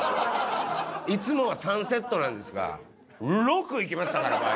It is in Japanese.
いつもは３セットなんですが、６行きましたから。